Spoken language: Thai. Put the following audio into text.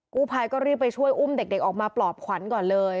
กู้ภัยก็รีบไปช่วยอุ้มเด็กออกมาปลอบขวัญก่อนเลย